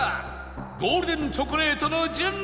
ゴールデンチョコレートの順位は？